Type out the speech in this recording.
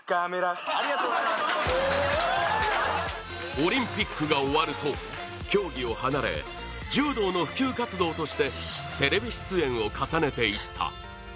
オリンピックが終わると、競技を離れ柔道の普及活動としてテレビ出演を重ねていた。